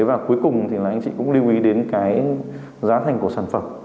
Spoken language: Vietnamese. và cuối cùng thì là anh chị cũng lưu ý đến cái giá thành của sản phẩm